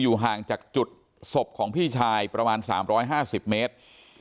ห่างจากจุดศพของพี่ชายประมาณ๓๕๐เมตร